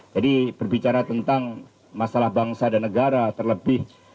jadi berbicara tentang masalah bangsa dan negara terlebih